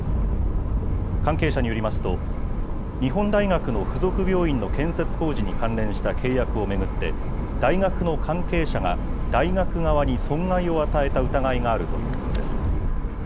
関係者によりますと、日本大学の付属病院の建設工事に関連した契約を巡って、大学の関係者が大学側に損害を与えた疑いがあるということです。